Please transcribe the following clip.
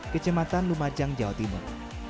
kecematan lumajang jawa timur